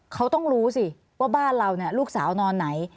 เขาต้องรู้สิว่าบ้านเราลูกสาวนอนไหน